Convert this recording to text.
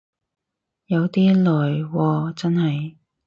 有啲耐喎真係